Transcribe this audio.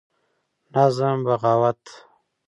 نظم: بغاوت